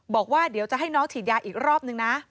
บอกว่าเดี๋ยวจะให้น้องฉีดยาอีกรอบนึงนะ